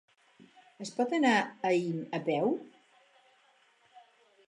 Es pot anar a Aín a peu?